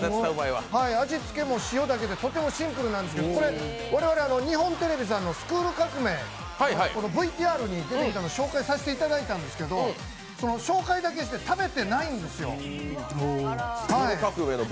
味付けも塩だけでとてもシンプルなんですけど、これ、我々日本テレビさんの「スクール革命！」、ＶＴＲに出てきたのを紹介させていただいたんですけど、紹介だけして食べてないんですよ。